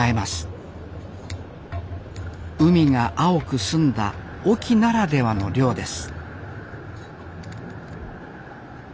海が青く澄んだ隠岐ならではの漁です